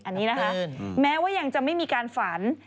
อันนี้นะคะแม้ว่ายังจะไม่มีการฝัน